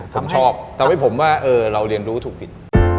ผมชอบทำให้ผมว่าเราเรียนรู้ถูกผิด